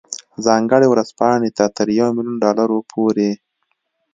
ځانګړې ورځپاڼې ته تر یو میلیون ډالرو پورې.